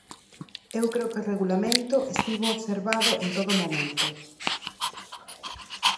Eu creo que o Regulamento estivo observado en todo momento.